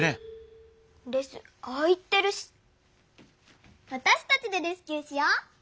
レスああ言ってるしわたしたちでレスキューしよう！